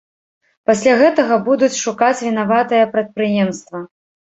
Пасля гэтага будуць шукаць вінаватае прадпрыемства.